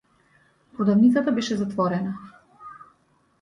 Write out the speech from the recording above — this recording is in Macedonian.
Продавницата беше затворена.